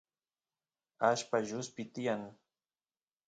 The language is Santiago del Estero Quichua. allpa lluspi tiyan